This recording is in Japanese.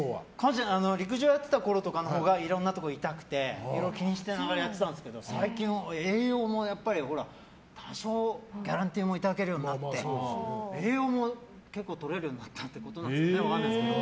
陸上やってたころとかのほうがいろんなところ痛くて気にしながらやってたんですけど最近は多少、ギャランティーもいただけるようになって栄養も結構とれるようになったってことなんですかね分からないんですけど。